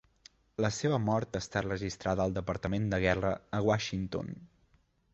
La seva mort està registrada al Departament de Guerra a Washington.